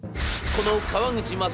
この川口勝